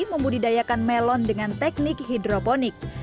membudidayakan melon dengan teknik hidroponik